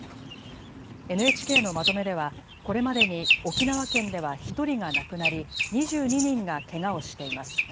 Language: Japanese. ＮＨＫのまとめではこれまでに沖縄県では１人が亡くなり２２人がけがをしています。